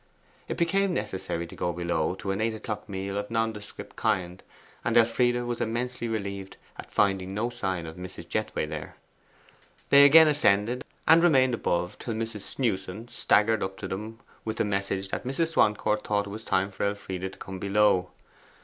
It became necessary to go below to an eight o'clock meal of nondescript kind, and Elfride was immensely relieved at finding no sign of Mrs. Jethway there. They again ascended, and remained above till Mrs. Snewson staggered up to them with the message that Mrs. Swancourt thought it was time for Elfride to come below.